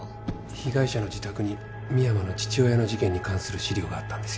被害者の自宅に深山の父親の事件に関する資料があったんです